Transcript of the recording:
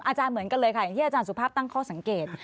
อาจารย์เหมือนกันเลยค่ะอย่างที่อาจารย์สุภาพตั้งข้อสังเกต